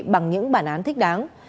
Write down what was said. bằng những bản án thích đáng